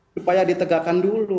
supaya ditegakkan dulu